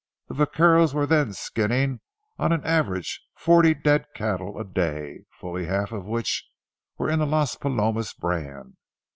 The vaqueros were then skinning on an average forty dead cattle a day, fully a half of which were in the Las Palomas brand.